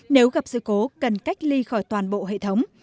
nếu gặp sự cố cần cách ly khỏi toàn bộ hệ thống